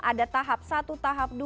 ada tahap satu tahap dua